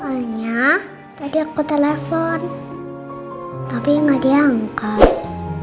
soalnya tadi aku telepon tapi gak diangkat